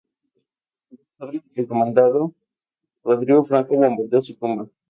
Más tarde, el Comando Rodrigo Franco bombardeó su tumba.